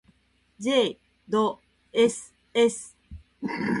ｊ ど ｓｓ